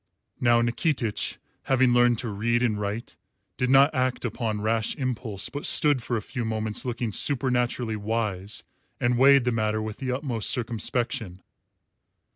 Now Nikitich, having learnt to read and write, did not act upon rash impulse, but stood for a few moments looking supernaturally wise and weighed the matter with the utmost circumspection.